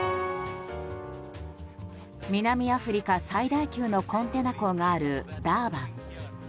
南アフリカ最大級のコンテナ港があるダーバン。